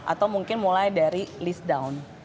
atau mungkin mulai dari list down